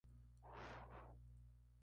El gobierno cayó en abril.